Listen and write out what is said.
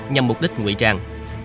nhằm mục đích nguy trang